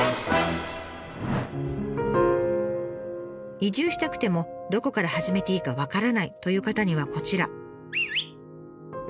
移住したくてもどこから始めていいか分からないという方にはこちら。